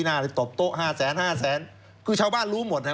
น่าจะตบโต๊ะห้าแสนห้าแสนคือชาวบ้านรู้หมดฮะ